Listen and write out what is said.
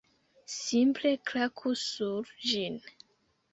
Simple klaku sur ĝin